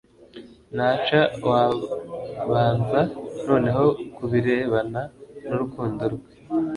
Ntaca wabanza noneho ku birebana n'urukundo rwe.